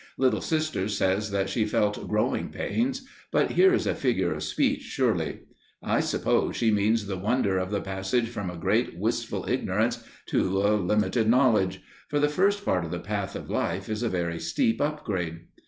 Little Sister says that she felt "growing pains," but here is a figure of speech, surely. I suppose she means the wonder of the passage from a great, wistful ignorance to a limited knowledge; for the first part of the path of life is a very steep up grade.